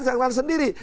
dia tersangka sendiri